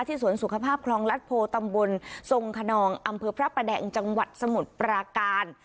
สวนสุขภาพคลองรัฐโพตำบลทรงขนองอำเภอพระประแดงจังหวัดสมุทรปราการ